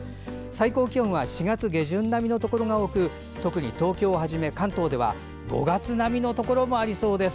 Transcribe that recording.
最高気温は４月下旬並みのところが多く特に東京をはじめ、関東では５月並みのところもありそうです。